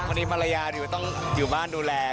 ตอนนี้มารยาทอยู่ต้องอยู่บ้านดูแล